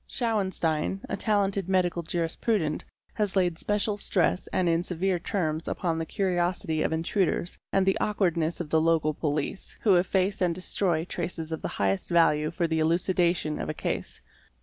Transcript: : Schauenstein®™, a talented medical jurisprudent, has laid special stress and in severe terms upon the curiosity of intruders, and the awkwardness _ of the local police, who efface and destroy traces of the highest value for the elucidation of a case.